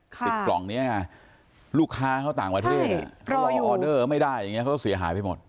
กล่องเนี้ยลูกค้าเขาต่างประเทศอ่ะเขารอออเดอร์ไม่ได้อย่างเงี้เขาก็เสียหายไปหมด